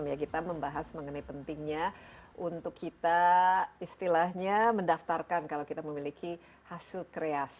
ya kita membahas mengenai pentingnya untuk kita istilahnya mendaftarkan kalau kita memiliki hasil kreasi